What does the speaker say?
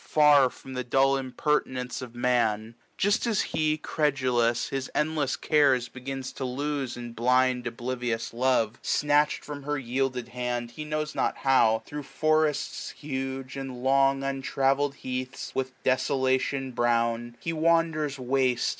Far from the dull impertinence of Man ; Just as he, credulous, his endlefs cares Begins to lose in Uind oblivious love. Snatched from her yielded hand, he knows not how. Thro* forests huge, and long untravel'd heaths 1061 With desolation brown, he wanders waste.